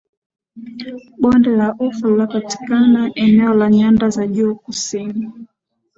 bonde la ufa linapatikana eneo la nyanda za juu kusini